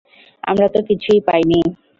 আমারা তো কিছুই পাইনি।